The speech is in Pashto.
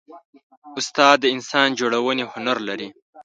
استاد د انسان جوړونې هنر لري.